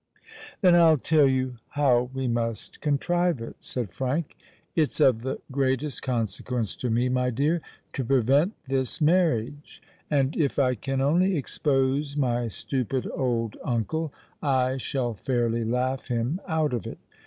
"Then I'll tell you how we must contrive it," said Frank. "It's of the greatest consequence to me, my dear, to prevent this marriage: and if I can only expose my stupid old uncle, I shall fairly laugh him out of it.